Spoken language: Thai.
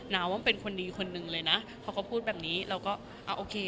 ว่ามันเป็นคนดีคนนึงเลยนะพอเขาพูดแบบนี้เราก็อ่าโอเค